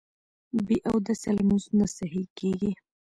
بې اودسه لمونځ نه صحیح کېږي